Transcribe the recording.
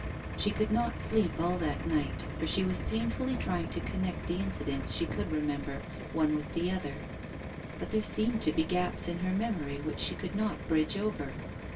She could not sleep all that night, for she was painfully trying to connect the incidents she could remember, one with the other ; but there seemed to be gaps in her memory which she could not bridge over.